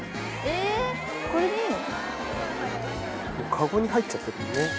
かごに入っちゃってるね。